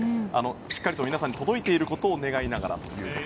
しっかりと皆さんに届いていることを願いながら。